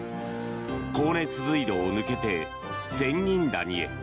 高熱隧道を抜けて仙人谷へ。